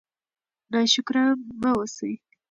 ناشکره مه اوسئ.